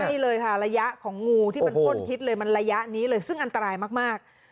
ใช่เลยค่ะระยะของงูที่มันพ่นพิษเลยมันระยะนี้เลยซึ่งอันตรายมาก